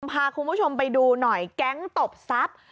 พาคุณผู้ชมไปดูหน่อยแก๊งตบทรัพย์